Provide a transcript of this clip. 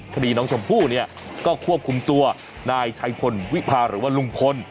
ชมภาพกิจคดีน้องชมภู่เนี่ยก็ควบคุมตัวนายชายคนวิภาหรือว่าลุงพล